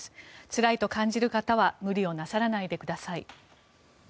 つらいと感じる方は無理をなさらないでください。